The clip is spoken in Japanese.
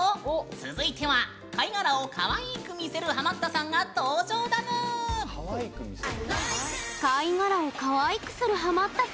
続いては貝殻をかわいく見せるハマったさんが登場だぬーん。